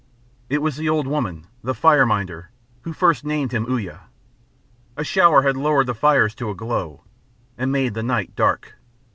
It was the old woman, the fire minder, who first named him Uya. A shower had lowered the fires to a glow, and made the night dark.